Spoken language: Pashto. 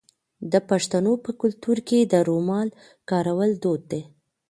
د پښتنو په کلتور کې د رومال کارول دود دی.